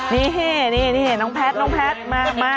นี่นี่นี่นี่นองแอกส์เค้าม้า